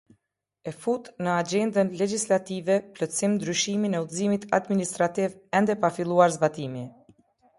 E fut në agjendën legjislative plotësim-ndryshimin e Udhëzimit Administrativ ende pa filluar zbatimi